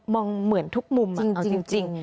มองเหมือนทุกมุมจริงจริงจริง